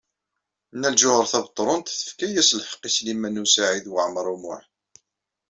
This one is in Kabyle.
Nna Lǧuheṛ Tabetṛunt tefka-as lḥeqq i Sliman U Saɛid Waɛmaṛ U Muḥ.